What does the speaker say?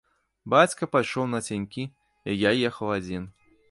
Бацька пайшоў нацянькі, і я ехаў адзін.